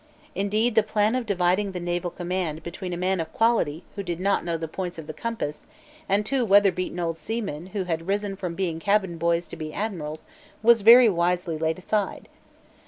Indeed, the plan of dividing the naval command between a man of quality who did not know the points of the compass, and two weatherbeaten old seamen who had risen from being cabin boys to be Admirals, was very wisely laid aside.